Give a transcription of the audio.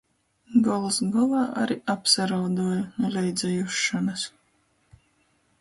Gols golā ari apsarauduoju nu leidza jusšonys.